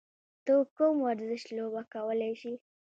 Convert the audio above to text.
ته کوم ورزش لوبه کولی شې؟